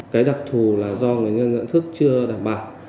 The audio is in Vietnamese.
cái đặc thù là do người dân nhận thức chưa đảm bảo